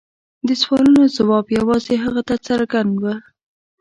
د سوالونو ځواب یوازې هغه ته څرګند و.